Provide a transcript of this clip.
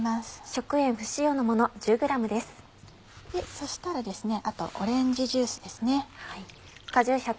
そしたらあとオレンジジュースです。